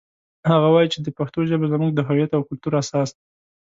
هغه وایي چې د پښتو ژبه زموږ د هویت او کلتور اساس ده